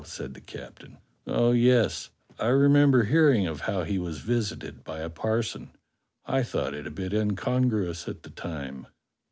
^" said the captain. "Oh, yes, I remem ber hearing of how he was visited by a parson. I thought it a bit incongruous at the time."